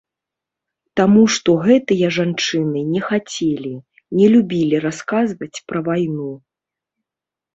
Таму што гэтыя жанчыны не хацелі, не любілі расказваць пра вайну.